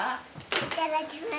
いただきます。